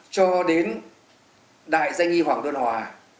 cho đến đại danh y hoàng tuấn hòa